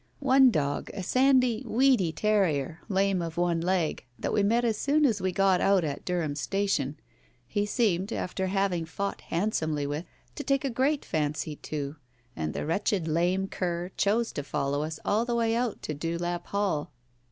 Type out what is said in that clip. One dog, a sandy, weedy terrier, lame of one leg, that we met as soon as we got out at Durham station, he seemed, after having fought handsomely with, to take a great fancy to, and the Digitized by Google 198 TALES OF THE UNEASY wretched lame cur chose to follow us all the way out to Dewlap Hall.